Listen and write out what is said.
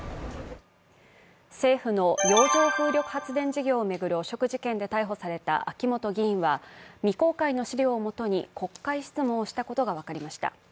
政府の洋上風力発電事業を巡る汚職事件で逮捕された秋本議員は、未公開の資料をもとに国会質問をしたことが分かりました。